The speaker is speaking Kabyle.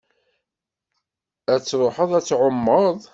Ad truḥeḍ ad tɛummeḍ?